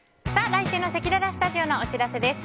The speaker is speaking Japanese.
来週のせきららスタジオのお知らせです。